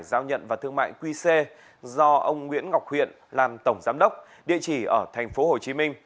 giao nhận và thương mại qc do ông nguyễn ngọc huyện làm tổng giám đốc địa chỉ ở tp hcm